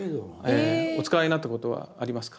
お使いになったことはありますか？